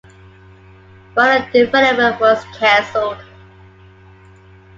Further development was canceled.